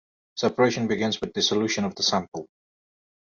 Separation begins with dissolution of the sample.